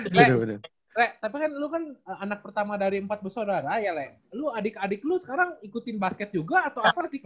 le le tapi kan lu kan anak pertama dari empat besok udah raya le lu adik adik lu sekarang ikutin basket juga atau apa lagi